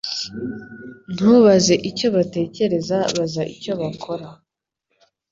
Ntubaze icyo batekereza Baza icyo bakora